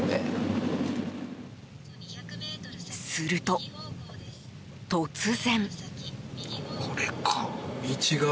すると、突然。